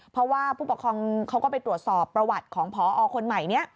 เพราะว่าผู้ปกครองเขาก็ไปตรวจสอบประวัติของพอคนใหม่นี้